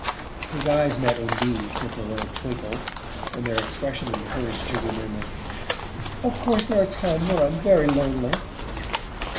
His eyes met Undine's with their old twinkle, and their expression encouraged her to murmur: "Of course there are times when I'm very lonely."